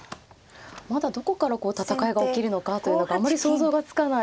まだどこから戦いが起きるのかというのがあまり想像がつかない。